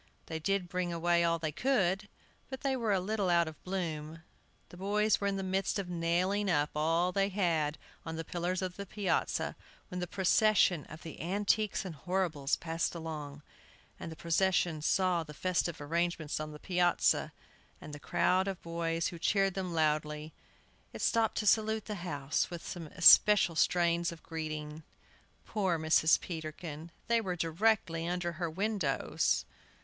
They did bring away all they could, but they were a little out of bloom. The boys were in the midst of nailing up all they had on the pillars of the piazza when the procession of the Antiques and Horribles passed along. As the procession saw the festive arrangements on the piazza, and the crowd of boys, who cheered them loudly, it stopped to salute the house with some especial strains of greeting. Poor Mrs. Peterkin! They were directly under her windows!